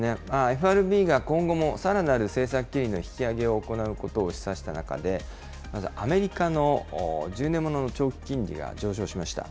ＦＲＢが今後もさらなる政策金利の引き上げを行うことを示唆した中で、まずアメリカの１０年物の長期金利が上昇しました。